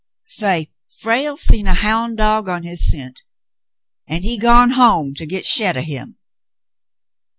Say, * Frale seen a houn' dog on his scent, an' he's gone home to git shet of him.'